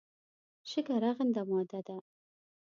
شګه رغنده ماده ده.